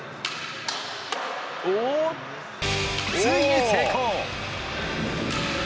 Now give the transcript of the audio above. ついに成功。